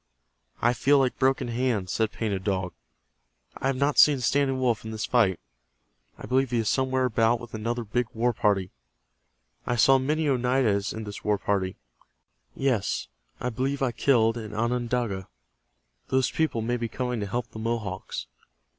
"I feel like Broken Hand," said Painted Dog. "I have not seen Standing Wolf in this fight. I believe he is somewhere about with another big war party. I saw many Oneidas in this war party. Yes, I believe I killed an Onondaga. Those people may be coming to help the Mohawks.